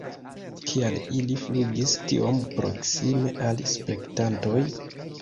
Kial ili flugis tiom proksime al spektantoj?